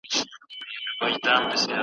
د دې ستونزې حل د پښتو ژبې ډیجیټل کول دي.